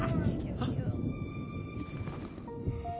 ・あっ。